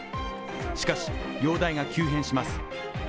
しかし、容体が急変します。